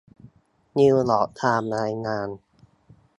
นิวยอร์กไทม์รายงาน